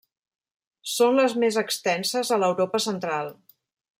Són les més extenses a l'Europa Central.